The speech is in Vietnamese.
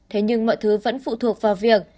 thế nhưng mọi thứ vẫn phụ thuộc vào việc